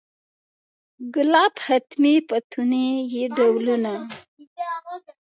ګلاب، ختمي، فتوني یې ډولونه و.